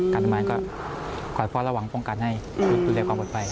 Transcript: การทำงานก็ก่อนพอระหว่างป้องกันให้ดูแลความปลอดภัย